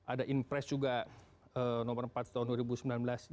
ada impres juga nomor empat tahun dua ribu sembilan belas